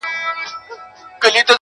o چي خوله ئې راکړې ده، رزق هم راکوي!